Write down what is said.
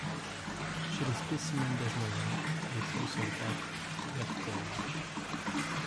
Chez les spécimens d'âge moyen, les feuilles sont droites, vert terne.